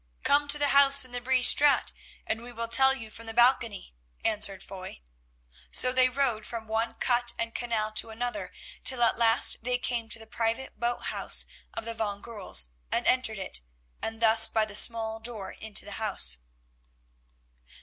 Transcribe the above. "Come to the house in the Bree Straat and we will tell you from the balcony," answered Foy. So they rowed from one cut and canal to another till at last they came to the private boat house of the van Goorls, and entered it, and thus by the small door into the house.